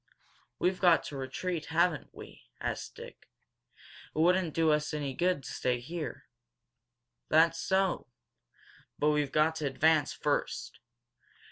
"We've got to retreat, haven't we?" asked Dick. "It wouldn't do us any good to stay here." "That's so. But we've got to advance first.